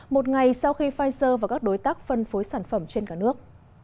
một ngày sau khi pfizer và các đối tác phân phối sản phẩm trên cả nước